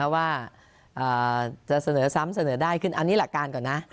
ว่าจะเสนอซ้ำเสนอได้ขึ้นอันนี้หลักการก่อนนะ